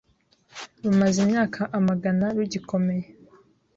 rumaze imyaka amagana rugikomeye